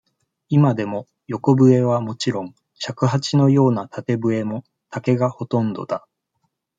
今でも、横笛はもちろん、尺八のような縦笛も、竹がほとんどだ。